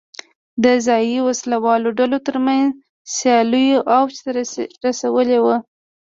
د ځايي وسله والو ډلو ترمنځ سیالیو اوج ته رسولې وه.